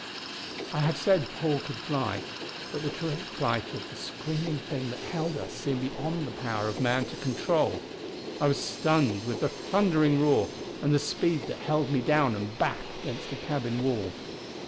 I have said Paul could fly; but the terrific flight of the screaming thing that held us seemed beyond the power of man to control. I was stunned with the thundering roar and the speed that held me down and back against a cabin wall.